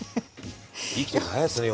生きてると早いっすね